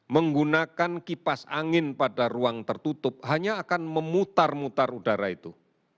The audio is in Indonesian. menggunakan kipas angin pada ruang tertutup hanya akan memutar mutar udara itu